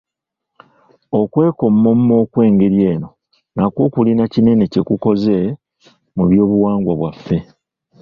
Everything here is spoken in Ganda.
Okwekomomma okw’engeri eno nakwo kulina kinene kye kukoze mu Byobuwangwa bwaffe.